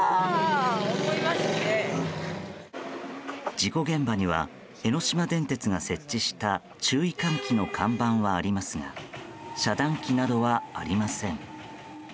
事故現場には江ノ島電鉄が設置した注意喚起の看板はありますが遮断機などはありません。